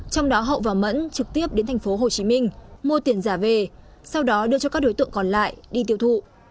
trong đó hậu và mẫn trực tiếp đến thành phố hồ chí minh mua tiền giả về sau đó đưa cho các đối tượng còn lại đi tiêu thụ